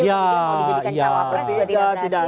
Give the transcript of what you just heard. ya ya tidak tidak